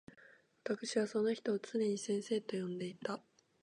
私わたくしはその人を常に先生と呼んでいた。